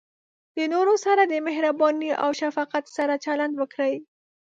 د نورو سره د مهربانۍ او شفقت سره چلند وکړئ.